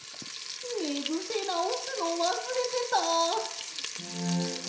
ねぐせなおすのわすれてた！